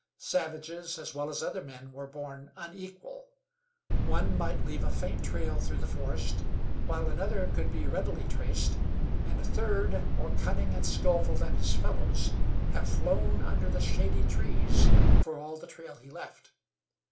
Savages, as well as other men, were born unequal. One might leave a faint trail through the forest, while another could be readily traced, and a third, more cunning and skillful than his fellows, have flown under the shady trees, for all the trail he left.